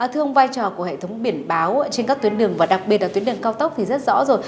thưa ông vai trò của hệ thống biển báo trên các tuyến đường và đặc biệt là tuyến đường cao tốc thì rất rõ rồi